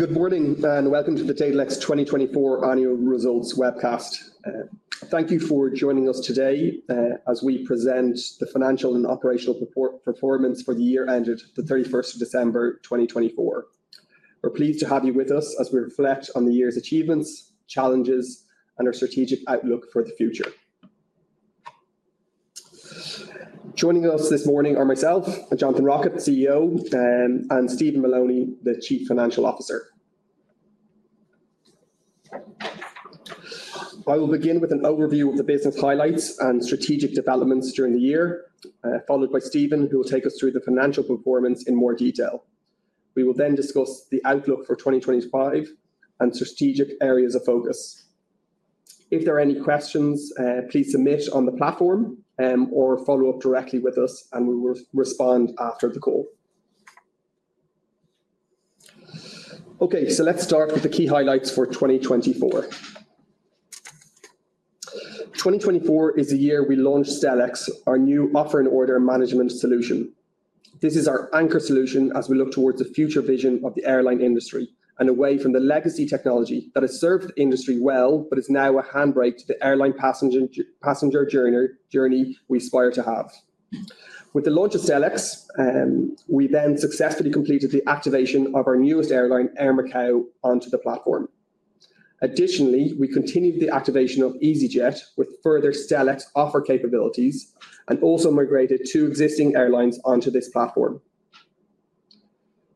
Good morning and welcome to the Datalex 2024 Annual Results Webcast. Thank you for joining us today as we present the financial and operational performance for the year ended the 31st of December 2024. We're pleased to have you with us as we reflect on the year's achievements, challenges, and our strategic outlook for the future. Joining us this morning are myself, Jonathan Rockett, CEO, and Steven Moloney, the Chief Financial Officer. I will begin with an overview of the business highlights and strategic developments during the year, followed by Steven, who will take us through the financial performance in more detail. We will then discuss the outlook for 2025 and strategic areas of focus. If there are any questions, please submit on the platform or follow up directly with us, and we will respond after the call. Okay, so let's start with the key highlights for 2024. 2024 is the year we launched Stellex, our new offer and order management solution. This is our anchor solution as we look towards the future vision of the airline industry and away from the legacy technology that has served the industry well but is now a handbrake to the airline passenger journey we aspire to have. With the launch of Stellex, we then successfully completed the activation of our newest airline, Air Macau, onto the platform. Additionally, we continued the activation of easyJet with further Stellex offer capabilities and also migrated two existing airlines onto this platform.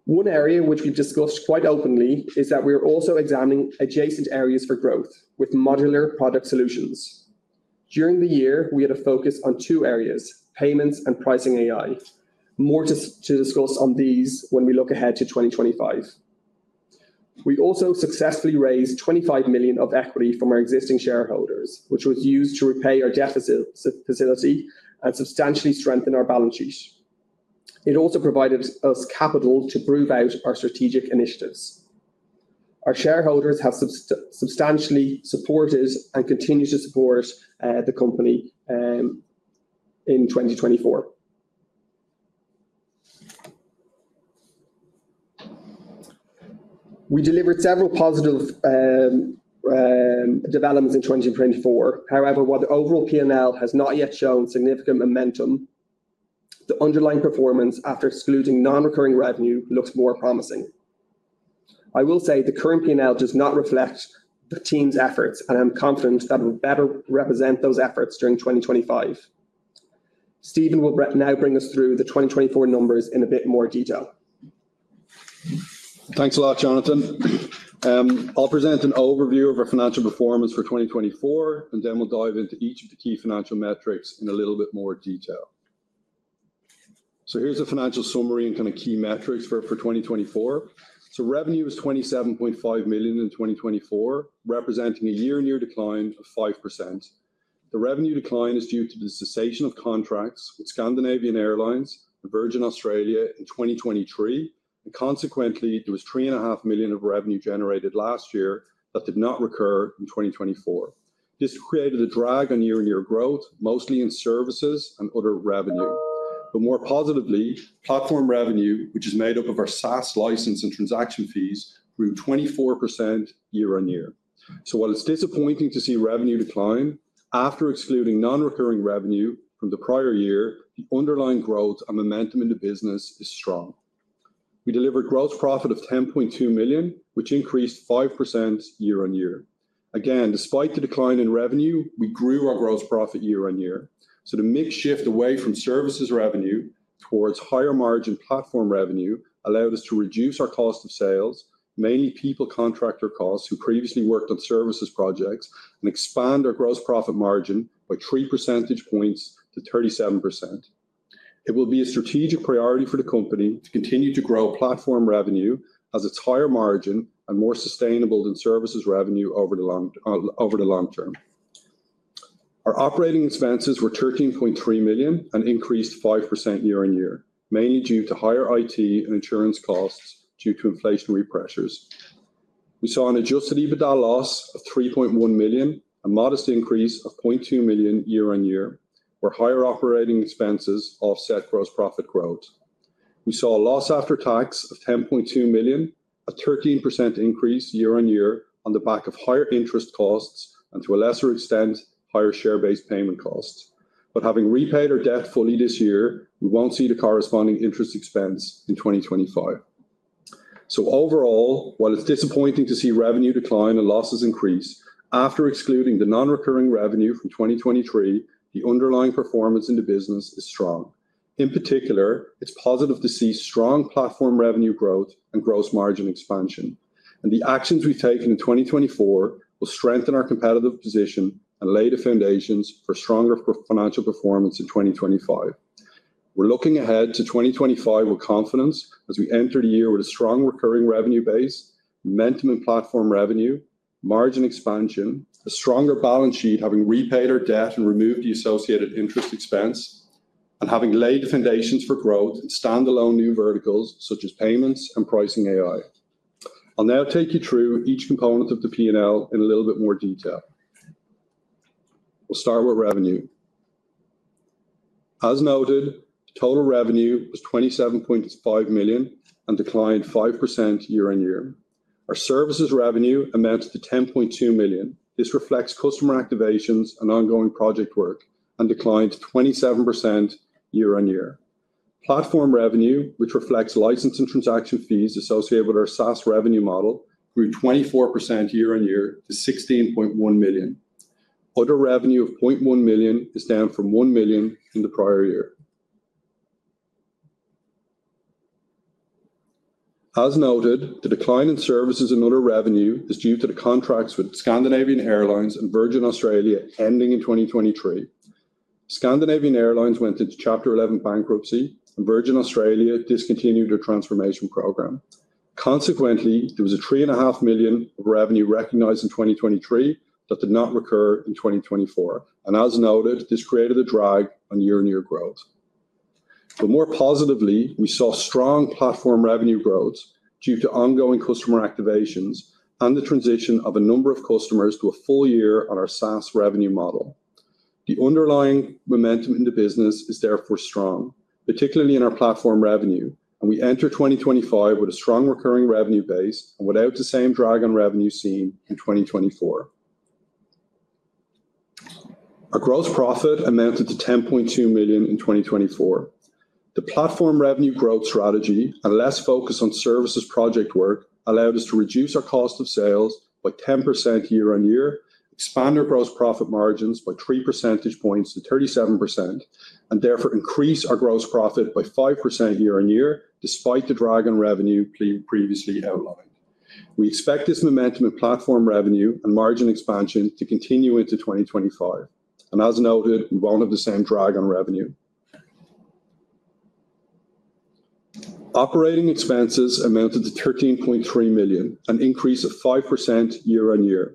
One area which we've discussed quite openly is that we are also examining adjacent areas for growth with modular product solutions. During the year, we had a focus on two areas: payments and Pricing AI. More to discuss on these when we look ahead to 2025. We also successfully raised 25 million of equity from our existing shareholders, which was used to repay our deficit facility and substantially strengthen our balance sheet. It also provided us capital to prove out our strategic initiatives. Our shareholders have substantially supported and continue to support the company in 2024. We delivered several positive developments in 2024. However, while the overall P&L has not yet shown significant momentum, the underlying performance after excluding non-recurring revenue looks more promising. I will say the current P&L does not reflect the team's efforts, and I'm confident that it will better represent those efforts during 2025. Steven will now bring us through the 2024 numbers in a bit more detail. Thanks a lot, Jonathan. I'll present an overview of our financial performance for 2024, and then we'll dive into each of the key financial metrics in a little bit more detail. Here is the financial summary and kind of key metrics for 2024. Revenue was 27.5 million in 2024, representing a year-on-year decline of 5%. The revenue decline is due to the cessation of contracts with Scandinavian Airlines and Virgin Australia in 2023. Consequently, there was 3.5 million of revenue generated last year that did not recur in 2024. This created a drag on year-on-year growth, mostly in services and other revenue. More positively, platform revenue, which is made up of our SaaS license and transaction fees, grew 24% year-on-year. While it is disappointing to see revenue decline, after excluding non-recurring revenue from the prior year, the underlying growth and momentum in the business is strong. We delivered gross profit of 10.2 million, which increased 5% year-on-year. Again, despite the decline in revenue, we grew our gross profit year-on-year. The mix shift away from services revenue towards higher margin platform revenue allowed us to reduce our cost of sales, mainly people contractor costs, who previously worked on services projects, and expand our gross profit margin by three percentage points to 37%. It will be a strategic priority for the company to continue to grow platform revenue as it is higher margin and more sustainable than services revenue over the long term. Our operating expenses were 13.3 million and increased 5% year-on-year, mainly due to higher IT and insurance costs due to inflationary pressures. We saw an adjusted EBITDA loss of 3.1 million, a modest increase of 0.2 million year-on-year, where higher operating expenses offset gross profit growth. We saw a loss after tax of 10.2 million, a 13% increase year-on-year on the back of higher interest costs and, to a lesser extent, higher share-based payment costs. Having repaid our debt fully this year, we won't see the corresponding interest expense in 2025. Overall, while it's disappointing to see revenue decline and losses increase, after excluding the non-recurring revenue from 2023, the underlying performance in the business is strong. In particular, it's positive to see strong platform revenue growth and gross margin expansion. The actions we've taken in 2024 will strengthen our competitive position and lay the foundations for stronger financial performance in 2025. We're looking ahead to 2025 with confidence as we enter the year with a strong recurring revenue base, momentum in platform revenue, margin expansion, a stronger balance sheet having repaid our debt and removed the associated interest expense, and having laid the foundations for growth and standalone new verticals such as payments and Pricing AI. I'll now take you through each component of the P&L in a little bit more detail. We'll start with revenue. As noted, total revenue was 27.5 million and declined 5% year-on-year. Our services revenue amounts to 10.2 million. This reflects customer activations and ongoing project work and declined 27% year-on-year. Platform revenue, which reflects license and transaction fees associated with our SaaS revenue model, grew 24% year-on-year to 16.1 million. Other revenue of 0.1 million is down from 1 million in the prior year. As noted, the decline in services and other revenue is due to the contracts with Scandinavian Airlines and Virgin Australia ending in 2023. Scandinavian Airlines went into Chapter 11 bankruptcy, and Virgin Australia discontinued their transformation program. Consequently, there was a 3.5 million revenue recognized in 2023 that did not recur in 2024. This created a drag on year-on-year growth. More positively, we saw strong platform revenue growth due to ongoing customer activations and the transition of a number of customers to a full year on our SaaS revenue model. The underlying momentum in the business is therefore strong, particularly in our platform revenue, and we enter 2025 with a strong recurring revenue base and without the same drag on revenue seen in 2024. Our gross profit amounted to 10.2 million in 2024. The platform revenue growth strategy and less focus on services project work allowed us to reduce our cost of sales by 10% year-on-year, expand our gross profit margins by three percentage points to 37%, and therefore increase our gross profit by 5% year-on-year despite the drag on revenue previously outlined. We expect this momentum in platform revenue and margin expansion to continue into 2025. As noted, we will not have the same drag on revenue. Operating expenses amounted to 13.3 million, an increase of 5% year-on-year.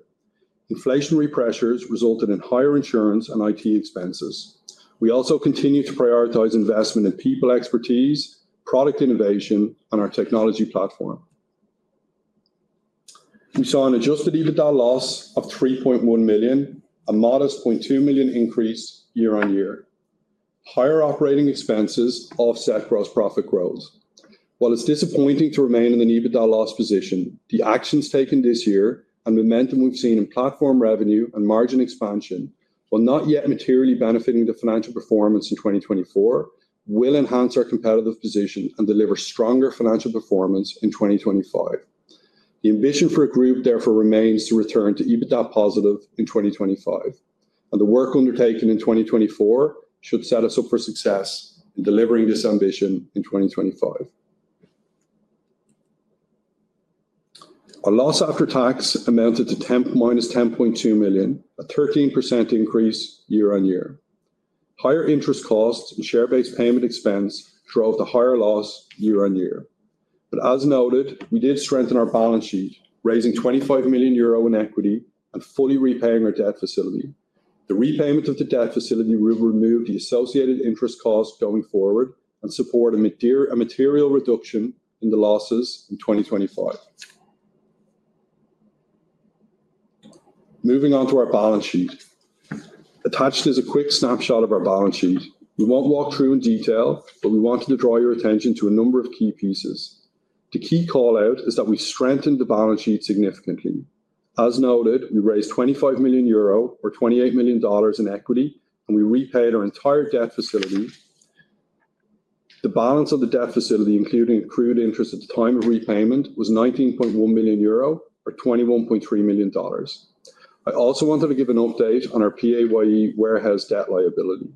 Inflationary pressures resulted in higher insurance and IT expenses. We also continue to prioritize investment in people expertise, product innovation, and our technology platform. We saw an adjusted EBITDA loss of 3.1 million, a modest 0.2 million increase year-on-year. Higher operating expenses offset gross profit growth. While it's disappointing to remain in the EBITDA loss position, the actions taken this year and momentum we've seen in platform revenue and margin expansion, while not yet materially benefiting the financial performance in 2024, will enhance our competitive position and deliver stronger financial performance in 2025. The ambition for a group therefore remains to return to EBITDA positive in 2025. The work undertaken in 2024 should set us up for success in delivering this ambition in 2025. Our loss after tax amounted to 10.2 million, a 13% increase year-on-year. Higher interest costs and share-based payment expense drove the higher loss year-on-year. As noted, we did strengthen our balance sheet, raising 25 million euro in equity and fully repaying our debt facility. The repayment of the debt facility will remove the associated interest costs going forward and support a material reduction in the losses in 2025. Moving on to our balance sheet. Attached is a quick snapshot of our balance sheet. We won't walk through in detail, but we wanted to draw your attention to a number of key pieces. The key call-out is that we strengthened the balance sheet significantly. As noted, we raised 25 million euro, or $28 million in equity, and we repaid our entire debt facility. The balance of the debt facility, including accrued interest at the time of repayment, was 19.1 million euro, or $21.3 million. I also wanted to give an update on our PAYE warehouse debt liability.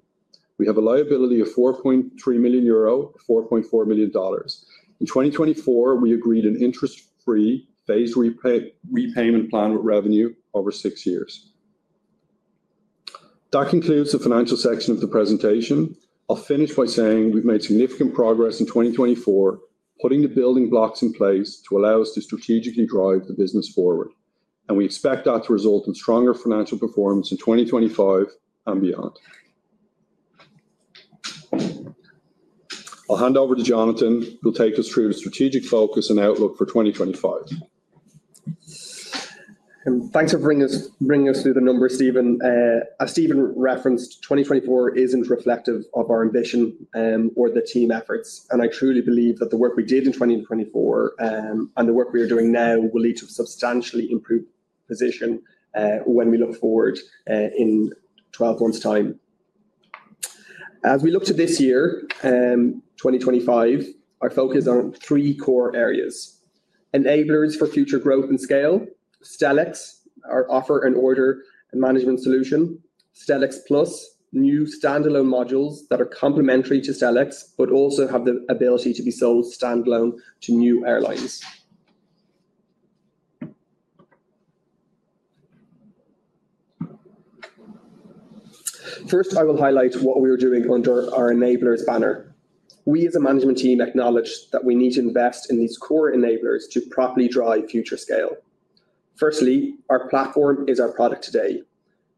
We have a liability of 4.3 million euro, or $4.4 million. In 2024, we agreed an interest-free phased repayment plan with Revenue over six years. That concludes the financial section of the presentation. I'll finish by saying we've made significant progress in 2024, putting the building blocks in place to allow us to strategically drive the business forward. We expect that to result in stronger financial performance in 2025 and beyond. I'll hand over to Jonathan, who will take us through the strategic focus and outlook for 2025. Thanks for bringing us through the numbers, Steven. As Steven referenced, 2024 is not reflective of our ambition or the team efforts. I truly believe that the work we did in 2024 and the work we are doing now will lead to a substantially improved position when we look forward in 12 months' time. As we look to this year, 2025, our focus is on three core areas: enablers for future growth and scale, Stellex, our offer and order management solution, Stellex Plus, new standalone modules that are complementary to Stellex, but also have the ability to be sold standalone to new airlines. First, I will highlight what we are doing under our enablers banner. We, as a management team, acknowledge that we need to invest in these core enablers to properly drive future scale. Firstly, our platform is our product today.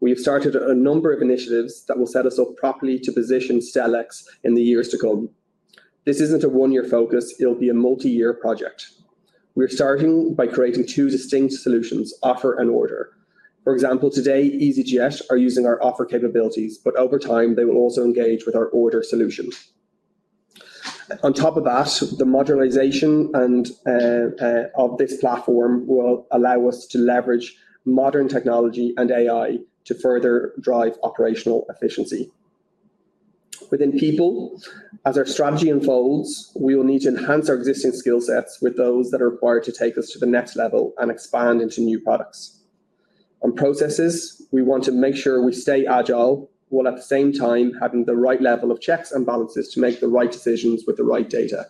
We have started a number of initiatives that will set us up properly to position Stellex in the years to come. This is not a one-year focus. It will be a multi-year project. We are starting by creating two distinct solutions, offer and order. For example, today, easyJet are using our offer capabilities, but over time, they will also engage with our order solution. On top of that, the modernization of this platform will allow us to leverage modern technology and AI to further drive operational efficiency. Within people, as our strategy unfolds, we will need to enhance our existing skill sets with those that are required to take us to the next level and expand into new products. On processes, we want to make sure we stay agile while at the same time having the right level of checks and balances to make the right decisions with the right data.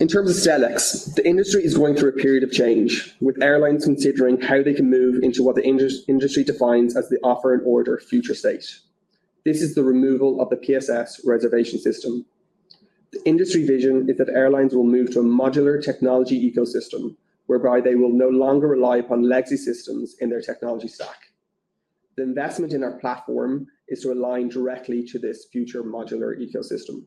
In terms of Stellex, the industry is going through a period of change, with airlines considering how they can move into what the industry defines as the offer and order future state. This is the removal of the PSS reservation system. The industry vision is that airlines will move to a modular technology ecosystem, whereby they will no longer rely upon legacy systems in their technology stack. The investment in our platform is to align directly to this future modular ecosystem.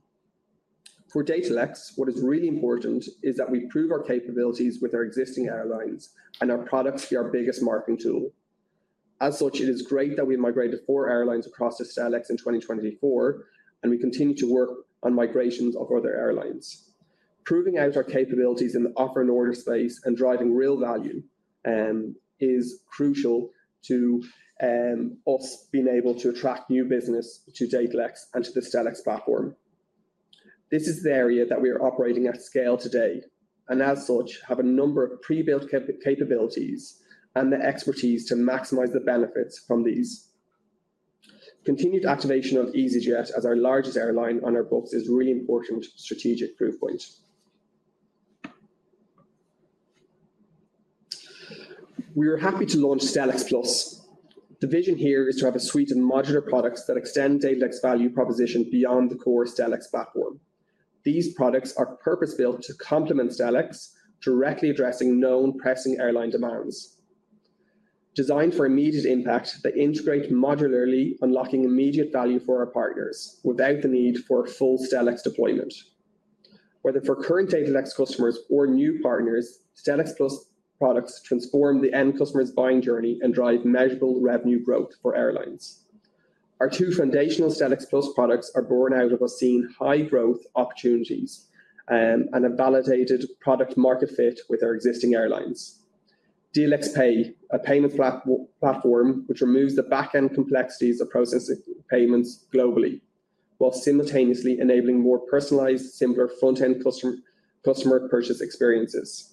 For Datalex, what is really important is that we prove our capabilities with our existing airlines and our products to be our biggest marketing tool. As such, it is great that we migrated four airlines across to Stellex in 2024, and we continue to work on migrations of other airlines. Proving out our capabilities in the offer and order space and driving real value is crucial to us being able to attract new business to Datalex and to the Stellex platform. This is the area that we are operating at scale today and, as such, have a number of pre-built capabilities and the expertise to maximize the benefits from these. Continued activation of easyJet as our largest airline on our books is a really important strategic proof point. We are happy to launch Stellex Plus. The vision here is to have a suite of modular products that extend Datalex's value proposition beyond the core Stellex platform. These products are purpose-built to complement Stellex, directly addressing known pressing airline demands. Designed for immediate impact, they integrate modularly, unlocking immediate value for our partners without the need for full Stellex deployment. Whether for current Datalex customers or new partners, Stellex Plus products transform the end customer's buying journey and drive measurable revenue growth for airlines. Our two foundational Stellex Plus products are born out of us seeing high growth opportunities and a validated product-market fit with our existing airlines. DLX Pay, a payment platform which removes the back-end complexities of processing payments globally, while simultaneously enabling more personalized, simpler front-end customer purchase experiences.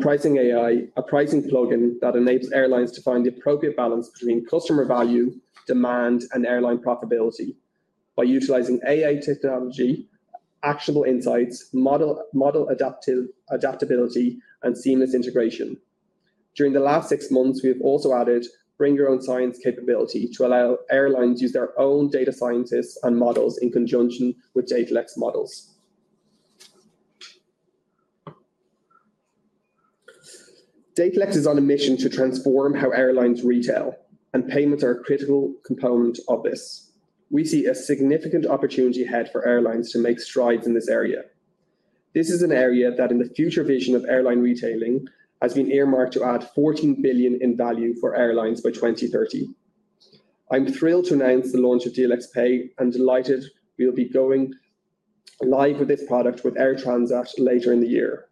Pricing AI, a pricing plugin that enables airlines to find the appropriate balance between customer value, demand, and airline profitability by utilizing AI technology, actionable insights, model adaptability, and seamless integration. During the last six months, we have also added bring-your-own-science capability to allow airlines to use their own data scientists and models in conjunction with Datalex models. Datalex is on a mission to transform how airlines retail, and payments are a critical component of this. We see a significant opportunity ahead for airlines to make strides in this area. This is an area that, in the future vision of airline retailing, has been earmarked to add $14 billion in value for airlines by 2030. I'm thrilled to announce the launch of DLX Pay and delighted we'll be going live with this product with Air Transat later in the year.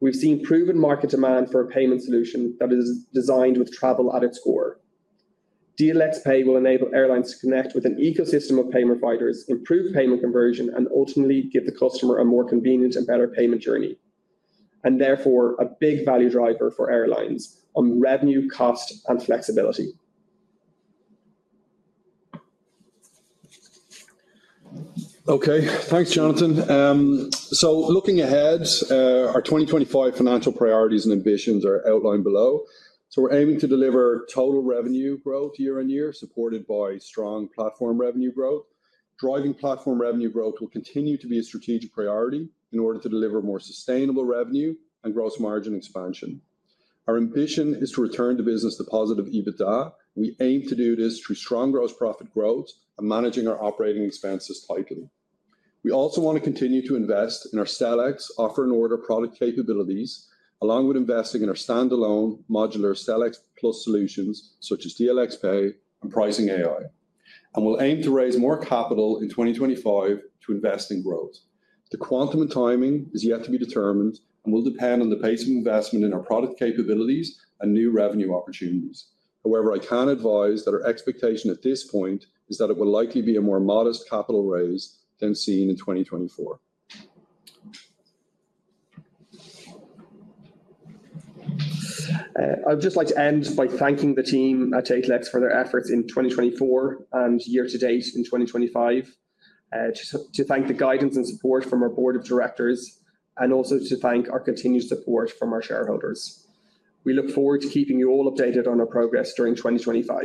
We've seen proven market demand for a payment solution that is designed with travel at its core. DLX Pay will enable airlines to connect with an ecosystem of payment providers, improve payment conversion, and ultimately give the customer a more convenient and better payment journey, and therefore a big value driver for airlines on revenue, cost, and flexibility. Okay, thanks, Jonathan. Looking ahead, our 2025 financial priorities and ambitions are outlined below. We're aiming to deliver total revenue growth year-on-year, supported by strong platform revenue growth. Driving platform revenue growth will continue to be a strategic priority in order to deliver more sustainable revenue and gross margin expansion. Our ambition is to return to business positive EBITDA. We aim to do this through strong gross profit growth and managing our operating expenses tightly. We also want to continue to invest in our Stellex offer and order product capabilities, along with investing in our standalone modular Stellex Plus solutions, such as DLX Pay and Pricing AI. We'll aim to raise more capital in 2025 to invest in growth. The quantum and timing is yet to be determined and will depend on the pace of investment in our product capabilities and new revenue opportunities. However, I can advise that our expectation at this point is that it will likely be a more modest capital raise than seen in 2024. I'd just like to end by thanking the team at Datalex for their efforts in 2024 and year-to-date in 2025, to thank the guidance and support from our board of directors, and also to thank our continued support from our shareholders. We look forward to keeping you all updated on our progress during 2025.